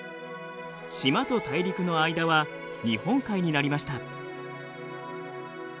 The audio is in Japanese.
島と大陸の間は日本海になりました。